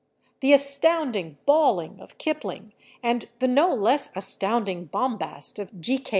The astounding bawling of Kipling and the no less astounding bombast of G.